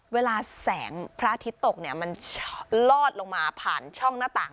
เวลาแสงพระอาทิตย์ตกเนี่ยมันลอดลงมาผ่านช่องหน้าต่าง